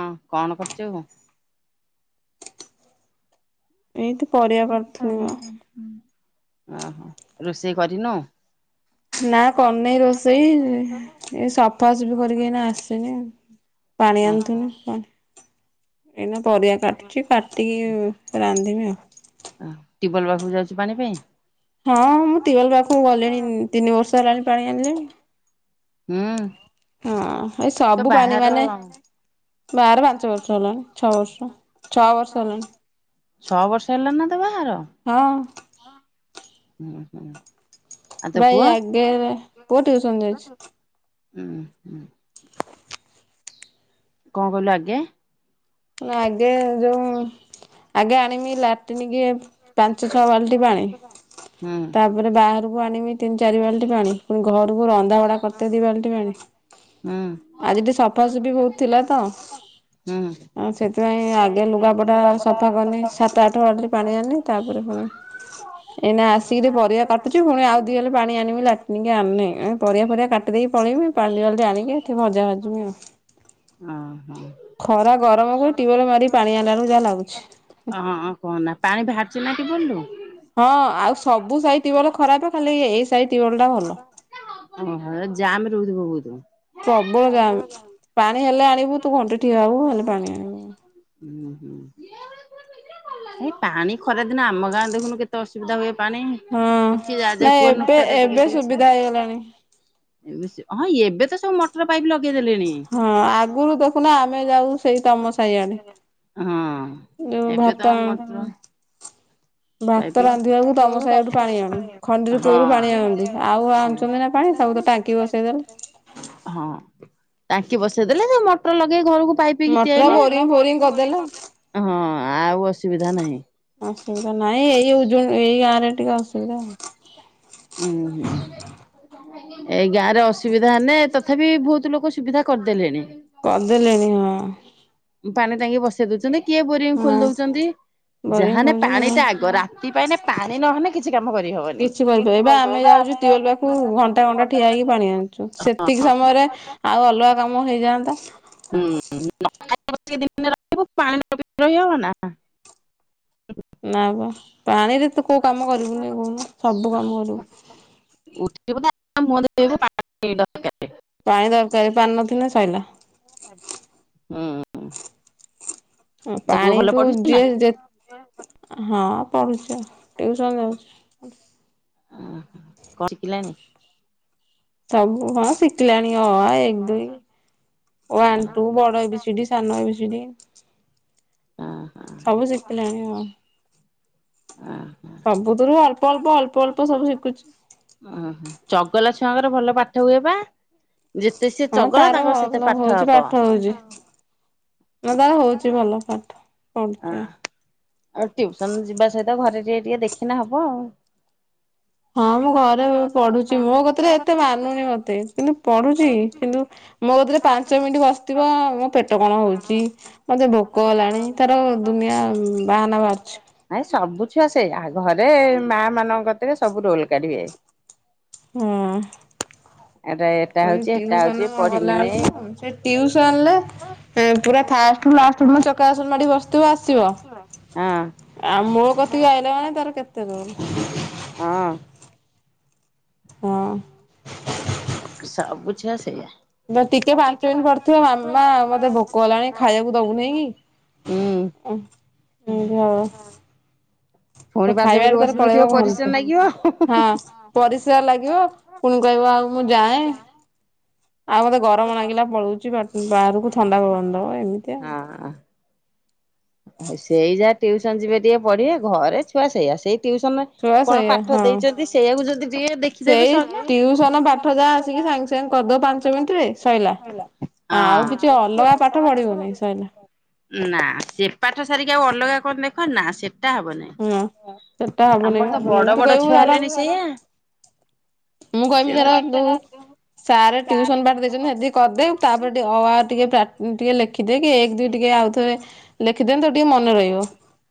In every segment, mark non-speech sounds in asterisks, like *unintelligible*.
ହଁ। କଣ କରୁଚୁ? ଏଇଠି ପରିବା କାଟୁଥିଲି ମ। ଓହୋ। ରୋଷେଇ କରିନୁ? ନା କରିନେଇ ରୋଷେଇ। ଏ ସଫାସଫି କରିକି ଏଇନା ଆସିନି। ପାଣି ଆଣିନ୍ତୁନି। ଓହୋ ପା ଏଇନା ପରିବା କାଟୁଚି କାଟିକି ରାନ୍ଧିମି ଆଉ। ଟ୍ୟୁୱଲ ପାଖକୁ ଯାଉଚୁ ପାଣି ପାଇଁ? ହଁ ମୁଁ ଟ୍ୟୁବଲ୍ ପାଖକୁ ଗଲିଣି ତିନି ବର୍ଷ ହେଲାଣି ପାଣି ଆଣିଲିଣି। ହୁଁ। ହଁ ଏ ତ ସବୁ ପାଣି ବାହାର ମାନେ ବାହାଘର ପାଞ୍ଚ ବର୍ଷ ହେଲାଣି। ଛଅ ବର୍ଷ ଛଅ ବର୍ଷ ହେଲାଣି। ଛଅ ବର୍ଷ ହେଲାଣି ନା ତୋ ବାହାଘର। ହଁ। ଉଁ ହୁଁ। ଆଉ ତୋ ପୁଅ *unintelligible* ଆଗେରେ ପୁଅ ଟିଉସନ ଯାଇଚି। ଉଁ ହୁଁ। କଣ କହିଲୁ ଆଗେ? ଆଗେ ଯୋଉ ଆଗେ ଆଣିମି ଲାଟିନିକୁ ପାଞ୍ଚ ଛଅ ବାଲଟି ପାଣି। ହୁଁ ତାପରେ ବାହାରକୁ ଆଣିବି ତିନି ଚାରି ବାଲ୍ଟି ପାଣି, ପୁଣି ଘରକୁ ରନ୍ଧା ବଡା କରିତେ ଦି ବାଲ୍ଟି ପାଣି। ହୁଁ ଆଜି ଟିକେ ସଫାସଫି ହୁଁ। ଆଁ ସେଥିପାଇଁ ଆଗେ ଲୁଗାପଟା ସଫା ସାତ ଆଠ ବାଲ୍ଟି ପାଣି ଆଣିଲି ତାପରେ ପୁଣି ଏଇନା ଆସିକିରି ପରିବା କାଟୁଚି, ପୁଣି ଆଉ ଦି ଗଲେ ପାଣି ଆଣିବି ଲାଟିନିକି ଆଣିନି ପରିବା ପରିବା କା କାଟିଦେଇକି ପଳେଇବି ପାଣି ଦିବାଲ୍ଟି ଆଣିକି ସେଠି ଭଜା ଭାଜିବି। ଓ ହୋ। ଗରମ କୁ ଟ୍ୟୁଲ୍ ମାରି ପାଣି ଆଣିଲାବେଳକୁ ଯାହା ଲାଗୁଛି। ଅ କହ ନା, ପାଣି ବାହାରୁଛିନା ଟିଅ ଲୁରୁ? ହଁ ଆଉ ସବୁ ସାଇ ତିୱାଲ ଖରାପ ଖାଲି ଏଇ ସାଇ ଟିୱଲଟା ଭଲ। ଓହୋ ଜାମ ରହୁଥିବ ବହୁତ। ପ୍ରବଳ ଜାମ। ପାଣି ହେଲେ ଆଣିବୁ ତୁ ଘଣ୍ଟେ ଠିଆ ହବୁ ହେଲେ ପାଣି ଆଣିବୁ। ହୁଁ ହୁଁ ଏଇ ପାଣି ଖରାଦିନ ଆମ ଗାଁ ଦେଖନୁ କେତେ ଅସୁବିଧା ହୁଏ ପାଣି। ହଁ ଶୁଖି ଯାହା ଯା କୁହ ନାରେ ଟିକେ ଠିକ ଚଲଣି? ଏବେ ହଁ ଏବେ ତ ସବୁ ମୋ ପାଇପ ଲଗାଇଦେଲେଣି? ହଁ ଆଗରୁ ଦେଖୁନା ଆମେ ଯାଉ ସେଇ ତମ ସାହିଆଡେ ହଁ ଏବେ ତ ମଚ ଭାତ ରାନ୍ଧିବାକୁ ତମ ସାହିଠୁ ପାଣି ଆଣୁ ଖଣ୍ଡିରୁ କୂଅରୁ ପାଣି ଆଣନ୍ତି ଆଉ ଆଣୁଛନ୍ତି ନା ପାଣି ସବୁ ଟାଙ୍କି ବସେଇଦେଲେ। ହଁ ଟାଙ୍କି ବସେଇଦେଲେ ଯ ମଟର ଲଗେଇ ଘରକୁ ପାଇପ ମଟର ବୋରିଂ ଫୋରିଂ କରିଦେଲେ। *unintelligible* ଆ ହଁ ଆଉ ଅସୁବିଧା ନାହିଁ। ଅସୁବିଧା ନାଇଁ ଏଇଜ ଏଇ ଗାଁରେ ଟିକେ ଅସୁବିଧା ଆଉ। ଉୁଁ ହୁଁ। ଏଇ ଗାଁରେ ଅସୁବିଧା ହେନେ ତଥାପି ବହୁତ ଲୋକ ସୁବିଧା କରିଦେଲେଣି। କରିଦେଲେଣି ହଁ। ପାଣି ଟାଙ୍କି ବସେଇ ଦଉଛନ୍ତି କିଏ ବୋରିଙ୍ଗ ହଁ ଖୋଲି ଦଉଛନ୍ତି ବୋରିଂ ଯାହାହେଲେ ପାଣି ଖୋଳିଛନ୍ତି ଟା ଆଗ ରା ରାତି ପାଇଲେ ପାଣି ନହେଲେ କିଛି କାମ କରିହବନି। କିଛି କରିପାରିବ ଏବେ ଆମେ ଯାଉଛୁ ଟ୍ୟୁୱଲ୍ ପାଖକୁ ଘଣ୍ଟା ଘଣ୍ଟା ଠିଆ ହୋଇଇକି ପାଣି ଆଣିଛୁ ସେତିକି ସମୟରେ ଆଉ ଅଲଗା କାମ ହେଇଯାଆନ୍ତା। ହୁଁ। *unintelligible* *unintelligible* ନା ବା ପାଣିରେ ତ କୋଉଁ କାମ କରିବୁନି କହୁନୁ ସବୁ କାମ କରିବୁ। *unintelligible* ପାଣି ଦରକାରୀ ପାଣିନଥିଲେ ସଇଲା। ତୋ ପୁଅ ପାଣି ଭଲ ତୁ ପଢୁଛି ନା? ଯିଏ ହଁ ପଢୁଚି ଆଉ ଟିଉସନ ଯାଉଛି। ଓହୋ କଣ ଶିଖିଲାଣି? ସବୁ ହଁ ଶିଖିଲାଣି ଅ ଆ ଏକ ଦୁଇ। ୱାନ୍ ଟୁ ବଡ ଏବି ସି ଡି ସାନ ଏବି ସି ଡି। ହଁ ହଁ ସବୁ ଶିଖିଲାଣି ହଁ। ଆ ସବୁଥିରୁ ଅଳ୍ପ ଅଳ୍ପ ଅଳ୍ପ ଅଳ୍ପ ସବୁ ଶିଖୁଛି। ଓହୋ ଚଗଲା ଛୁଆଙ୍କର ଭଲ ପାଠ ହୁଏ ପା? ଯେତେ ସେ ହଁ ତାର ଭଲ ହଉଛି ପାଠ ହଉଛି ତାର ହଉଛି ଭଲ। ଅ ପଢୁଛି। ଆଉ ଟିଉସନ ଯିବା ସହିତ ଘରେ ଟିକେ ଟିକେ ଦେଖିଲେ ହବ ଆଉ। ହଁ ମୁଁ ଘରେ ପଢୁଛି ମୋ କତିରେ ଏତେ ମାନୁନି ମତେ କିନ୍ତୁ ପଢୁଛି କିନ୍ତୁ ମୋ କତିରେ ପାଞ୍ଚ ମିନିଟ୍ ବସିଥିବ ମୋ ପେଟ କଣ ହଉଛି ମତେ ଭୋକ ହେଲାଣି ତାର ଦୁନିଆ ବାହାନା ବାହାରୁଛି। ନାଇଁ ସବୁ ଛୁଆ ସେ ଆ ଘରେ ମା ମାନଙ୍କ କତିରେ ସବୁ ରୋଲ କାଢିବେ। ହୁଁ। ଏଟା ଏଟା ପୁଣି ହଉଛି ହେଟା ହଉଛି ଟିଉସନ ପଢିମିନି ଗଲାବେଳକୁ ସେ ଟିଉସନରେ ପୁରା ଫାଷ୍ଟୁ ଲାଷ୍ଟୁ ମୁଁ ଚକା ଆସନ ମାଡି ବସି ଆସିବ ହଁ ଆ ମୋ କତିକି ଆଇଲା ମାନେ ତାର କେତେ ଦୂର୍। ହଁ। ହଁ। ସବୁ ଝିଅ ସେଇଆ। ଟିକେ ପାଞ୍ଚ ମିନିଟ୍ ପଡିଥିବ। ମାମା ମତେ ଭୋକ ଗଲାଣି ଖାଇବାକୁ ଦବୁନେଇକି କି। ହୁଁ। ହୁଁ ହଁ। ହଁ। ସେ ଖାଇବାରେ ତାର ପଳେଇବ ପରିଶ୍ରମ ଘଣ୍ଟେ। ଲାଗିବ। ହଁ ପରିସ୍ରା ଲାଗିବ। ପୁଣି କହିବ ଆଉ ମୁଁ ଯାଏ। ଆଉ ବୋତେ ଗରମ ଲାଗିଲା ପଳଉଛି ବାହାରକୁ। ଥଣ୍ଡା ପବନ ଦବ। ଏମିତି ଆଉ। ହଁ ସେଇ ଯାହା ଟିଉସନ ଯିବେ ଟିକେ ପଢିବେ। ଘରେ ଛୁଆ ସେଇଆ। ସେଇ ଟିଉସନରେ ଶୁଆ ସେଇଆ ହଁ। ଟିକେ ଦେଖିଦେବେ ସେଇ ସଇଲା ହଁ। ଟିଉସନ ପାଠ ଯା ଆସିକି ସାଙ୍ଗ ସେ କରିଦବ ପାଞ୍ଚ ମିନିଟ ରେ ସଇଲା। ଆଉ କିଛି ଅଲଗା ପାଠ ପଢିବନି ସଇଲା। ନା ସେ ପାଠ ସାରିକି ଆଉ ଅଲଗା କଣ ଦେଖ ନା। ସେ ଟା ହଁ ହବନାଇଁ। ସେଟା ହବନି ଆମର ବା ତ ତୁ ବଡ ବଡ କହିବୁ ଛୁଆ ଧର ହେଲେଣି ସେଇଆ। ମୁଁ କହିବି ତର ତୁ ସାର୍ ଟିଉସନ ପାଠ ଦେଇଛନ୍ତି। ସେତି କରିଦେଉ ତାପରେ ଟିକେ ଅ ଆ ଟିକେ ଟିକେ ଲେଖିଦେଇକି ଏକ ଦୁଇ ଟିକେ ଆଉଥରେ ଲେଖି ଦିଅନ୍ତୁ ତ ଟିକେ ମନେ ରହିବ।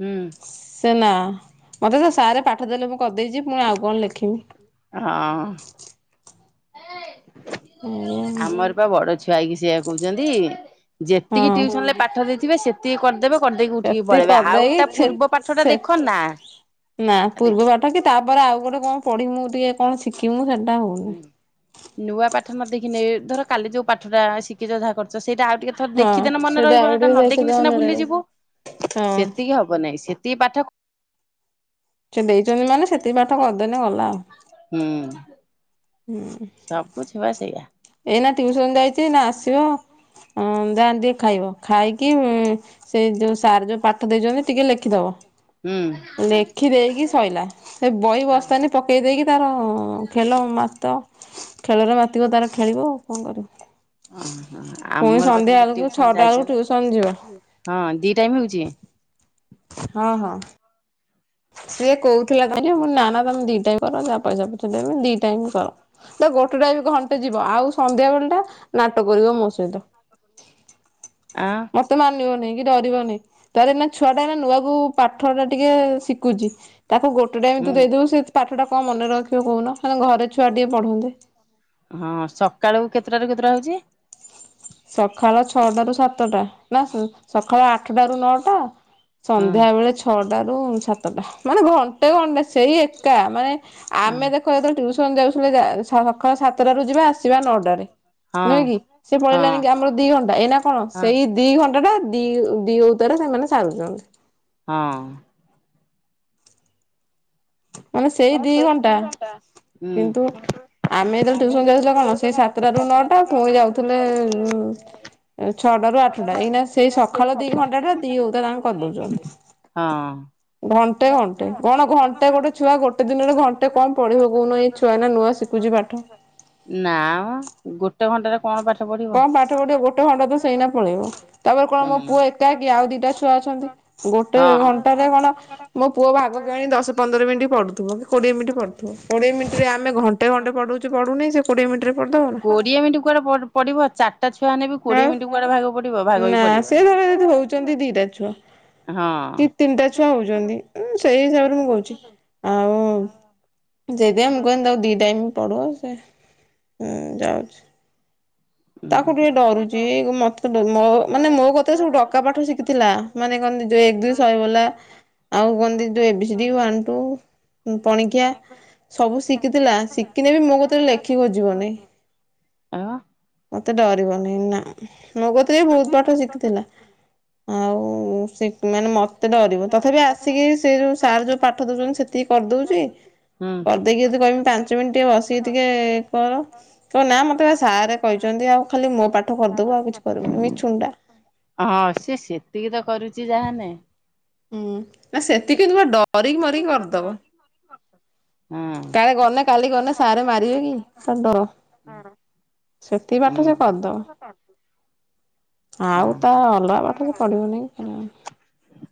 ହୁଁ ସେ ନା ମତେ ତ ସାରେ ପାଠ ଦେଲେ ମୁଁ କରିଦେଇଛି ପୁଣି ଆଉ କଣ ଲେଖିବି। ହଁ। *inaudible* ଏ। ହଁ। ଆମର ପା ବଡ ଛୁଆଇ କିି ସେଇଆ କହୁଛନ୍ତି। ଯେତିକି ହଁ ଟିଉସନରେ ପାଠ ଦେଇ ଥିବେ ସେତିକି କରିଦେବ। କରିଦେଇକି ଉଠିକି ସେତିକି ପଳେଇବା। ଆଉ ତା କରିଦେଇକି ସେ ପୂର୍ବ ପାଠ ଟା ସେ ଦେଖ ନା। ନା ଦେ ପୂର୍ବ ପାଠ କି ତା ପାଇଁ ପରେ ଆଉ ଗୋଟେ କଣ ପଢିବୁ ଟିକିଏ କଣ ଶିଖିବୁ ସେଇଟା ହେଉନି। ନୂଆ ପାଠ ନ ଦେଖିନି ଧର କାଲି ଯୋଉ ପାଠଟା ଶିଖିଛ। ଯାହା କରଛ ସେଇଟା ଆଉ ଟିକେ ଥର ହଁ ଦେଖିଦେନେ ମନେ ସେଇଟା ଆଉ ରହିବ। ହେଟା ଟିକେ ନ ଦେଖିଦେ ଦେଖିନି ସିନା ମନେ ରହିବ। ଭୁଲିଯିବୁ। ହଁ ସେ ଦେଇଛନ୍ତି ମାନେ ସେତିକି ପାଠ କରିଦେଲେ ଗଲା ଆଉ। ହୁଁ। ହୁଁ ସବୁ ଛୁଆ ସେଇଆ ଏଇନା ଟିଉସନ ଯାଇଛି। ନା ଆସିବ। ହ ଦା ଟିକେ ଖାଇବ। ଖାଇକି ସେଇ ଯୋଉ ସାର୍ ଯୋଉ ପାଠ ଦେଇଛନ୍ତି ଟିକେ ଲେଖିଦବ। ହୁଁ ଲେଖି ଦେଇକି ଶଇଲା। ସେ ବହି ବସ୍ତାନି ପକେଇ ଦେଇକି ତାର ଖେଲ ମାତ। ଖେଳରେ ମାତିିବ ତାର ଖେଳିବ। ଆଉ କଣ କରିବ? ଓ ପୁଣି ଆମର ବା ସନ୍ଧ୍ୟା ସେମିତି ବେଳକୁ ଟିଉସନ ଛଅଟା ବେଳକୁ ଟିଉସନ ଯିବ ଯାଇଛନ୍ତି। ହଁ ଦି ଟାଇମ୍ ହେଉଛି। ହଁ ହଁ। ସିଏ କହୁଥିଲା କାଁ ଯେ ମୁଁ ନା ତମେ ଦି ଟାଇମ କର। ଯାହା ପଇସା ପଇଛା ଦେମି ଦି ଟାଇମ କର। ତ ଗୋଟେ ଟା ବି ଘଣ୍ଟେ ଯିବ। ଆଉ ସନ୍ଧ୍ୟା ବେଳ ଟା ନାଟକ କରିବ ମୋ ସହିତ। ଆଁ। ମତେ ମାନିବନି କି ଡରିବନି। ତାରଇ ନା ଛୁଆ ଟା ଏ ନୂଆକୁ ପାଠଟା ଟିକେ ଶିଖୁଛି। ତାକୁ ଗୋଟେ ଗୋଟେ ଟାଇମ ହୁଁ ତୁ ଦେଇଦବୁ ସେ ପାଠଟା କଣ ମନେ ରଖିବ କହୁନ। ନାେ ଘରେ ଛଆ ଟିକେ ପଢନ୍ତେ। ହଁ ସକାଳୁ କେତେଟାରେ କେତୁରା ହେଉଛି। ସକାଳ ଛଅଟାରୁ ସାତଟା। ନା ସକାଳ ଆଠଟାରୁ ନଅଟା। ହଁ ସନ୍ଧ୍ୟା ବେଳେ ଛଅଟାରୁ ସାତଟା। ମାନେ ଙ୍ଘ ଗୋଟେ ଖଣ୍ଡେ ସେଇ ଏକା ମାନେ ଆ ଆମେ ଦେଖ *unintelligible* ତିୟୁସନ ଯାଉଥିଲେ ସକାଳ ସାତଟରୁ ଯିବେ ଆସିବେ ନଅଟାରେ। ହଁ ନୁହେଁ କି ସେ ହଁ ପଳେଇିଲାଣି। ଆମର ଦି ଘଣ୍ଟା ଏଇନା କଣ ହଁ ସେଇ ଦି ଘଣ୍ଟା ଟା ଦି ଦି ହଉତରେ ସେମାନେ ସାରୁଛନ୍ତି। ହଁ। ମାନେ ସେଇ ଦି ଘଣ୍ଟା ଉଁ କିନ୍ତୁ ଆମେ ଯେତେବେଳେ ଟୟୁସନ ଯାଉଥିଲେ କଣ ସେଇ ସାତଟା ରୁ ନଅଟା ପୁଣି ଯାଉଥିଲେ ଉଁ। ଛଅଟ ରୁ ଆଠଟା ଏଇନା ସେଇ ସକାଳ ଦି ଘଣ୍ଟା ଟା ଦି ହୁତା ତାଙ୍କୁ କରିଦଉଛ। ହଁ। ଘଣ୍ଟେ ଘଣ୍ଟେ କଣ ଘନ୍ ହେଟା ଗୋଟେ ଛୁଆ ଗୋଟେ ଦିନରେ ଘଣ୍ଟେ କଣ ପଢିବ କହୁନୁ ଏଇ ଛୁଆ ଏଇନା ନୂଆ ଶିଖୁଛି ପାଠ। ନାମ ଗୋଟେ ଘଣ୍ଟାରେ କଣ ପାଠ ପଢି କଣ ପାଠ ପଢିବ ଗୋଟେ ଘଣ୍ଟା ତ ସେଇନା ପଳେଇବ ତାପରେ କଣ ହୁଁ ମୋ ପୁଅ ଏକା କି ଆଉ ଦିଟା ଛୁଆ ଅଛନ୍ତି। ଗୋଟେ ହଁ। ଘଣ୍ଟାରେ କଣ ମୋ ପୁଅ ଭାଗ କି ଆଣି ଦଶ ପନ୍ଦର ମିନିଟ୍ ପଢୁଥିବ କି କୋଡିଏ ମିନିଟ୍ ପଢୁଥିବ କୋଡିଏ ମିନିଟରେ ଆମେ ଘଣ୍ଟେ ଘଣ୍ଟେ ପଢଉଛୁ ପଢ଼ୁନି ସେ କୋଡିଏ ମିନିଟ ରେ ପଢ଼ିଦବ ନା? କୋଡ଼ିଏ ମିନିଟ୍ କୁଆଡ଼େ ପ ପଡ଼ିବ ଚାରଟା ଛୁଆ ହେଲେ ବି କୋଡ଼ିଏ ଆଉ ମିନିଟ୍ କୁଆଡ଼େ ଭାଗ ପଡ଼ିବ ଭାଗ ବି ପଡ଼ିବନି। *unintelligible* ହଉଛନ୍ତି ଦିଟା ଛୁଆ ହଁ କି ତିନିଟା ଛୁଆ ହଉଛନ୍ତି ସେଇ ହିସାବରେ ମୁଁ କହୁଛି। ଆଉ ସେଇଥି ପାଇଁ ମୁଁ କହିଲି ତାକୁ ଦି ଟାଇମ ପଢୁଅ ସେ ହୁଁ ଯାଉଛି ତାକୁ ଟିକେ ଡରୁଚି ଏ ମତ୍ ମୋ ମାନେ ମୋ କତରେ ସବୁ ଡକା ପାଠ ଶିଖିଥିଲା ମାନେ କହନ୍ତି ଏକ ଦୁଇ ଶହେ ବଲା। ଆଉ କଣ ଦେଇଦିଅ A B C D one two ପଣିକିଆ ସବୁ ଶିଖିଥିଲା ଶିଖିଲେ ବି ମୋ କତିରେ ଲେଖି ବୁଜି ବନି। ଆଉ ମତେ ଡରିବନି ନା ମୋ କତିରେ ବୋହୁତ ପାଠ ଶିଖିଥିଲା। ଆଉ ସେ ମାନେ ମତେ ଡରିବ ତଥାପି ଆସିକି ସେ ଯୋଉ ସାର୍ ଯୋଉ ପାଠ ଦଉଛନ୍ତି ସେ କିଏ କରିଦଉଚି? ହୁଁ କରିଦେଇକି ଯଦି କହିବି ପାଞ୍ଚ ମିନିଟ ବସିକି ଟିକେ କର କହିବ ନା ମତେ ପା ସାରେ କହିଛନ୍ତି ଆଉ ଖାଲି ମୋ ପାଠ କରିଦବୁ ଆଉ କିଛି କରିବୁନି ମିଛୁଁଟା ହଁ ସେ ସେତିକି ତ କରୁଛି ଯାହାନେ ହୁଁ ନା ସେତିକି ଡରିକି ମରିକି କରିଦବ। ହଁ କାଳେ ଗନେ କାଲି ଗନେ ସାରେ ମାରିବେ କି ତାର ଡର ସେତିକ ଉଁ ପାଠ ସେ କରିଦବ। ଆଉ ହଁ। ତା ଅଲଗା ପାଠ ସେ ପଢ଼ିବନି କି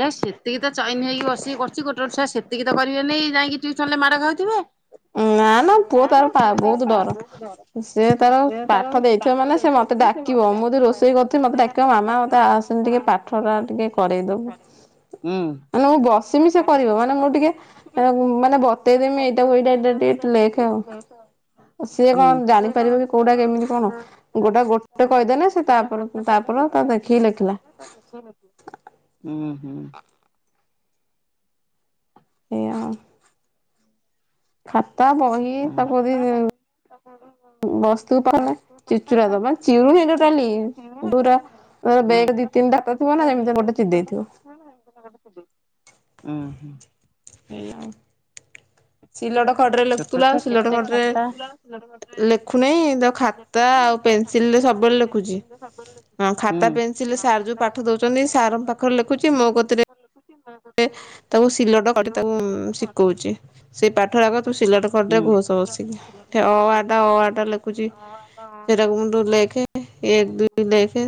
ଯାହା ହଉ ସେତିକି ତ ଚଇନି ହେଇକି ବସିକି କରୁଛି ଗୋଟେ ଗୋଟେ ଛୁଆ ସେତିକି ତ କରିବେନି ଯାଇକି ଟିଉସନରେ ମାଡ଼ ଖାଉଥିବେ। ନା ନା ପୁଅ ତାର ପା ବୋହୁତ ଡର। ସେ ତାର ପାଠ ଦେଇଥିବ ମାନେ ସେ ମତେ ଡାକିବ ମୁଁ ଯଦି ରୋଷେଇ ରୋସେଇ କରୁଥିବି ମତେ ଡାକିବ ମାମା ମତେ ଆସନି ଟିକେ ପାଠ ଟା ଟିକେ କରେଇଦବୁ। ହୁଁ। ମାନେ ମୁଁ ବସିମି ସେ କରିବ ମାନେ ମୁଁ ଟିକେ ମାନେ ବତେଇଦେମି ଏଇଟାକୁ ଏଇଟା *unintelligible* ଲେଖେ ଆଉ ସିଏ ହୁଁ କଣ ଜାଣି ପାରିବ କି କୋଉଟା କେମିତି କଣ କୋଉଟା ଗୋଟେ କହିଦେଲେ ସେ ତାପର କୁ ତାପର ତାକୁ ଦେଖିକି ଲେଖିଲା। *inaudible* ହୁଁ ହୁଁ ଏଇ ହଁ *unintelligible* ଖାତା ବହି ତାକୁ ଯଦି ଓହୋ ହୋ *inaudible* ବଶଥିବୁ *unintelligible* ଚିରିଚୁରା ଦବା ଚିରୁନି ତୋଟାଲି ପୁରା ବେଗ ଦି ତିନିଟା ହାତ ଥିବ ନା ସେମିତି ଗୋଟେ ଚିରି ଦେଇଥିବ। ଅଁ, ହଁ। ଏଇଆ ଆଉ ସିଲଟ ଖଡ଼ିରେ ଛୋଟ ଲେଖୁଥିଲା ଛୁଆ ସିଲଟ କେତେ ଖାତା ଖଡ଼ିରେ ଲେ ଖୁନାହିଁ ତ ଖାତା ଆଉ ପେନସିଲ ରେ ସବୁବେଳେ ଲେଖୁଚି। ଅଁ, ଖାତା ହୁଁ ପେନ ସିଲ ସାର୍ ଯୋଉ ପାଠ ଦଉଚନ୍ତି ସାର୍ ଙ୍କ ପାଖରେ ଲେଖୁଚି। ମୋ କତିରେ ରେ ତାକୁ ସିଲଟ ଖଡି ତାକୁ ଉଁ, ଶିକଉଚି। ସେ ପାଠ ଆଗ ତୁ ସିଲଟ ହୁଁ। ଖଡ଼ିରେ ଘୋଷ ବସିକି। ଠେ ଅ ଆ ଟା ଅ ଆ ଟା ଲେଖୁଚି। ସେରାକୁ ମୁଁ ତୁ ଲେଖେ। ଏକ ଦୁଇ ଲେଖେ।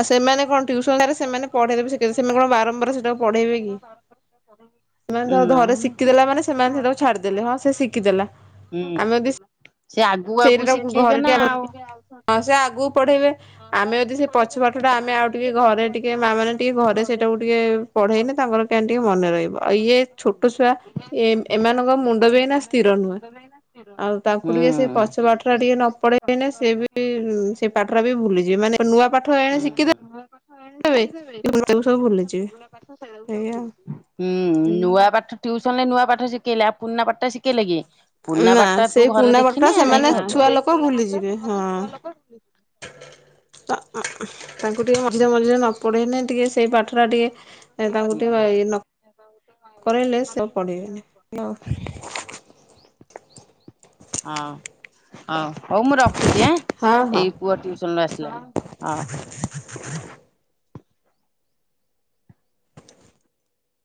ଆଉ ସେମାନେ କଣ ଟିଉସନ *inaudible* ରେ ସେମାନେ ପଢେଇଲେ ବି ଶିକି, ସେମାନେ କଣ ଆଉ ବାରମ୍ବାର ସେଟାକୁ ପଢେଇବେ କି? ସେମାନେ ଧ- ନା ଧରେ ମ। ଶିକିଦେଲା ମାନେ ସେମାନେ ସେ ତାକୁ ଛାଡିଦେଲେ। ହଁ ସେ ଶିକିଦେଲା, ହୁଁ ଆମେ ବି ସେ ଆଗକୁ ସେଇଟା ଆଗକୁ ତାକୁ ଶିଖେଇବେ ଘରେ ନା ଟିଆ ଘର ଆଉ। ହଁ ସେ ଆଗକୁ ପଢେଇବେ। ଆମେ ଯଦି ସେ ପଛ ପାଠଟା ଆମେ ଆଉ ଟିକେ ଘରେ ଟିକେ ମା ମାନେେ ଟିକେ ଘରେ ସେଇଟାକୁ ଟିକେ ପଢ଼େଇନେ ତାଙ୍କର ତାନେ ଟିକେ ମନେ ରହିବ ଆଉ ଇଏ ଛୋଟ ଛୁଆ ଏ ଏମାନଙ୍କ ମୁଣ୍ଡ ବି ଏଇନା ସ୍ଥିର ନୁହେଁ। ଆଉ ତାଙ୍କୁ ଟିକେ ସେ ପଛ ପାଠ ଟା ଟିକେ ନ ପଢେଇନେ ସିଏ ବି ସେ ପାଠ ଟା ବି ଭୁଲିଯିବେ। ମାନେ ନୂଆ ପାଠ ଏଣେ ଶିଖିଦେ ହୁଁ ହୁଁ। ଦେବେ *inaudible* ସବୁ ଭୁଲିଯିବେ, ଏଇଆ। ହୁଁ। ନୂଆ ପାଠ ଟିଉସନ ରେ ନୂଆ ପାଠ ଶିକେଇଲେ ଆଉ ପୁରୁଣା ପାଠଟା ଶିକେଇଲେ କି? ପୁନା ନା ପାଠଟା ତୁ ସେଇ ଘରେ ପୁରୁଣା ପାଠଟା ଦେଖିନେ ସେମାନେ ଯାଇକି ହବ। ଛୁଆ ଲୋକ ତ ଉଁ, ହୁଁ, ତାଙ୍କୁ ଟିକେ ମଝି ମଝିରେ ନ ପଢ଼େଇନି ଟିକେ ସେଇ ପାଠଟା ଟିକେ ଏ ତାଙ୍କୁ ଟିକେ ଏଇ ନ *inaudible* କରେଇଲେ ସେ ଆଉ ପଢିବେନି। *inaudible* ଆଉ ଓ ହଉ ମୁଁ ର ଖୁଚି ଆଁ, ହଁ ହଁ। ଏଇ ପୁଅ ଟିଉସନରୁୁ ଆସିଲାଣି ଆ,।